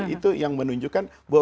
itu yang menunjukkan bahwa